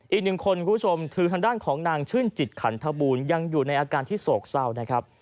อีกหนึ่งคนคุณผู้ชมคือทางด้านของนางชื่นจิตขันทบูลยังอยู่ในอาการที่โศกเศร้านะครับ